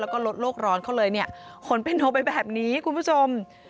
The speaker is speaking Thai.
แล้วก็ลดโลกร้อนเขาเลยเนี่ยขนเป็นโทรไปแบบนี้คุณผู้ชม